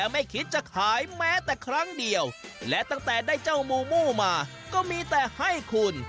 ไม่คิดจะขายแม้แต่ครั้งเดียวและตั้งแต่ได้เจ้ามูมูมาก็มีแต่ให้คุณ